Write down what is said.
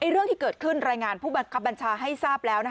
เรื่องที่เกิดขึ้นรายงานผู้บังคับบัญชาให้ทราบแล้ว